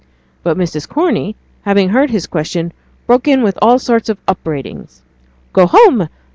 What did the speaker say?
But Mrs. Corney, having heard his question, broke in with all sorts of upbraidings. 'Go home!